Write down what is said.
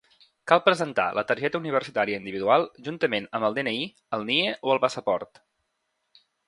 Cal presentar la targeta universitària individual, juntament amb el DNI, el NIE o el passaport.